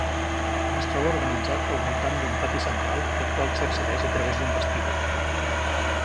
Es troba organitzat al voltant d'un pati central, al qual s'accedeix a través d'un vestíbul.